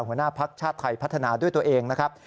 หัวหน้าภักดิ์ชาติไทยพัฒนาด้วยตัวเองนะครับ